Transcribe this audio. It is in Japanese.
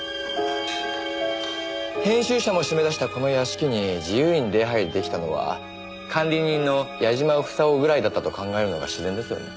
編集者も締め出したこの屋敷に自由に出入り出来たのは管理人の矢嶋房夫ぐらいだったと考えるのが自然ですよね？